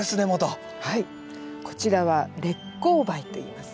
こちらは烈公梅といいます。